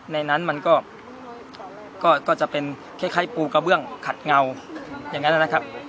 ในนั้นมันก็จะเป็นคล้ายปูกระเบื้องขัดเงาอย่างนั้นนะครับ